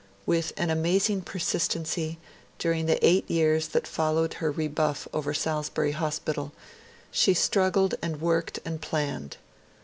With an amazing persistency, during the eight years that followed her rebuff over Salisbury Hospital, she struggled and worked and planned.